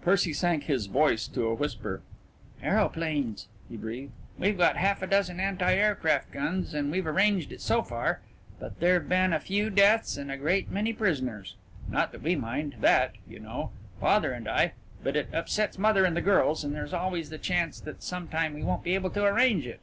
Percy sank his voice to a whisper. "Aeroplanes," he breathed. "We've got half a dozen anti aircraft guns and we've arranged it so far but there've been a few deaths and a great many prisoners. Not that we mind that, you know, father and I, but it upsets mother and the girls, and there's always the chance that some time we won't be able to arrange it."